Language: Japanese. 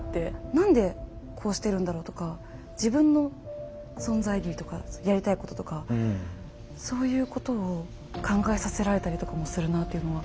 何でこうしてるんだろうとか自分の存在意義とかやりたいこととかそういうことを考えさせられたりとかもするなあというのは。